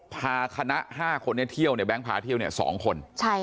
พาคณะ๕คนเข้าที่เที่ยวแบงกพาที่เที่ยวสองคน